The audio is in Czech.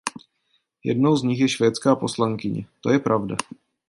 Jednou z nich je švédská poslankyně, to je pravda.